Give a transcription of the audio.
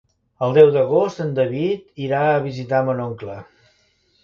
El deu d'agost en David irà a visitar mon oncle.